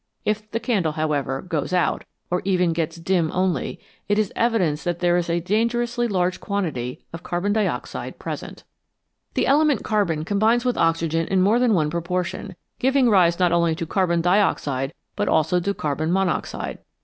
If the candle, however, goes out, or even gets dim only, it is evidence that there is a dangerously large quantity of carbon dioxide present. The element carbon combines with oxygen in more than one proportion, giving rise not only to carbon dioxide, but also to carbon monoxide.